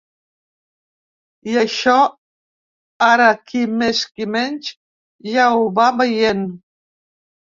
I això ara qui més qui menys ja ho va veient.